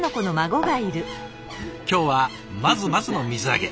今日はまずまずの水揚げ。